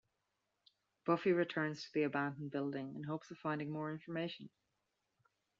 Buffy returns to the abandoned building in hopes of finding more information.